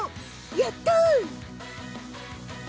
やったー！